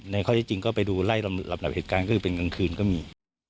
ข้อที่จริงก็ไปดูไล่ลำดับเหตุการณ์ก็คือเป็นกลางคืนก็มี